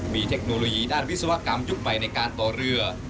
มีเทคโนโลยีด้านวิศวกรรมยุคใหม่ในการต่อเรือ